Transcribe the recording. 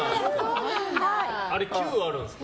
あれ、級があるんですか？